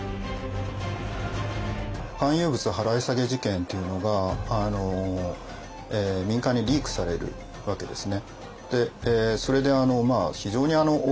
官有物払下げ事件っていうのが民間にリークされるわけですね。